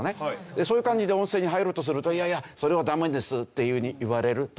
そういう感じで温泉に入ろうとするといやいやそれはダメですっていうふうに言われるという。